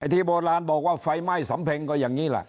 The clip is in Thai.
ที่โบราณบอกว่าไฟไหม้สำเพ็งก็อย่างนี้ล่ะ